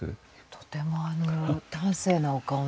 とても端正なお顔の。